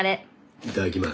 いただきます。